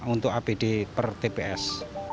untuk apd per tps